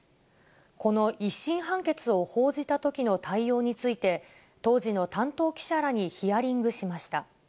この１審判決を報じたときの対応について、当時の担当記者らにヒアリングしました。